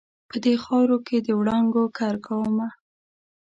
په دې خاورو کې د وړانګو کرکومه